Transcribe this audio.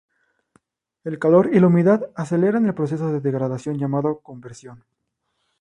El calor y la humedad aceleran el proceso de degradación llamado "conversión".